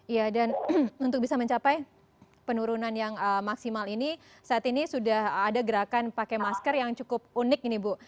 iya dan untuk bisa mencapai penurunan yang maksimal ini saat ini sudah ada gerakan pakai masker yang cukup unik ini bu